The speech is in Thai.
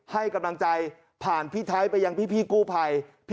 ให้กำลังใจผ่านพี่ไทยไปยังพี่กู้ภัย